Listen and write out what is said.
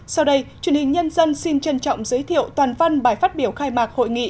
sau đây truyền hình nhân dân xin trân trọng giới thiệu toàn văn bài phát biểu khai mạc hội nghị